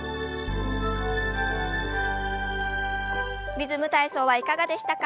「リズム体操」はいかがでしたか？